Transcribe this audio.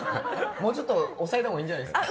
もうちょっと抑えたほうがいいんじゃないですか。